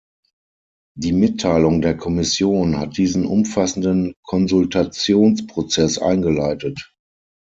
Die Mitteilung der Kommission hat diesen umfassenden Konsultationsprozess eingeleitet.